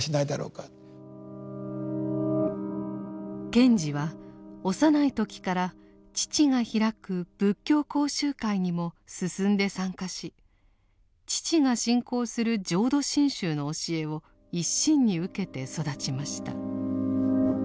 賢治は幼い時から父が開く仏教講習会にも進んで参加し父が信仰する浄土真宗の教えを一身に受けて育ちました。